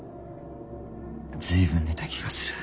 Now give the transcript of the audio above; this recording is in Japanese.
随分寝た気がする。